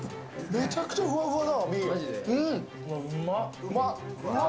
めちゃくちゃふわふわだ。